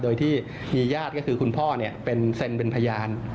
โดยที่มีญาติก็คือคุณพ่อเป็นเซ็นเป็นพยาน